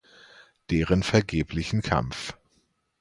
Deren vergeblichen Kampf.